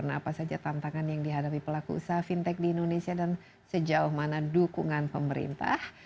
nah apa saja tantangan yang dihadapi pelaku usaha fintech di indonesia dan sejauh mana dukungan pemerintah